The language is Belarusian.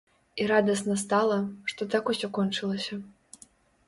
І радасна стала, што так усё кончылася.